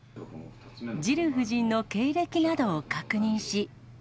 ジル夫人の経歴などを確認し。